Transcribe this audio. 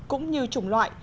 cũng như chủng loại